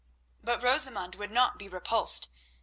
But Rosamund would not be repulsed.